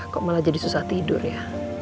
kok malah jadi susah tidur ya